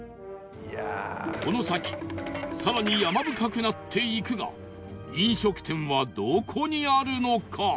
この先更に山深くなっていくが飲食店はどこにあるのか？